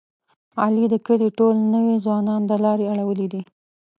علي د کلي ټول نوی ځوانان د لارې اړولي دي.